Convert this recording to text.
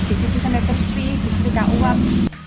dikucing sampai bersih disetika uang